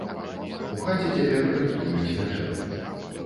У хаце цяпер рыхтуюць вячэру.